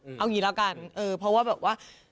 เอางี้แล้วกันเพราะว่าแบบว่า